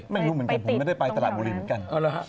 ไม่รู้เหมือนกันผมไม่ได้ไปตลาดบุรีเหมือนกัน